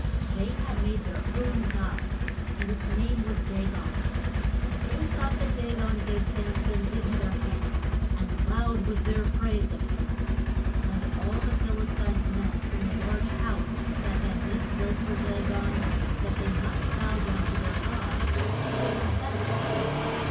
They had made their own god, and its name was Da gon. And they thought that Da gon gave Sam son in to their hands, and loud was their praise of him. And all the Phil is tines met in the large house that had been built for Da gon that they might bow down to their god and give him thanks.